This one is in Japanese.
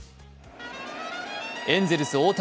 エンゼルス・大谷。